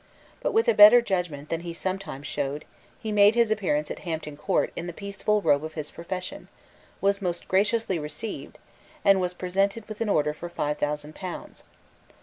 But, with a better judgment than he sometimes showed, he made his appearance at Hampton Court in the peaceful robe of his profession, was most graciously received, and was presented with an order for five thousand pounds.